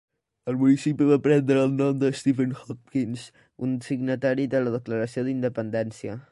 El municipi va prendre el nom de Stephen Hopkins, un signatari de la Declaració d'Independència.